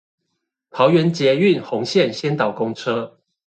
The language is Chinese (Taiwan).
桃園捷運紅線先導公車